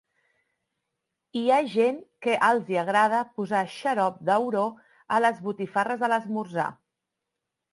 Hi ha gent que els hi agrada posar xarop d'auró a les botifarres de l'esmorzar.